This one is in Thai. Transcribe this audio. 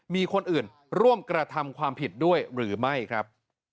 มีคนอื่นร่วมกระทำความผิดด้วยหรือไม่ครับ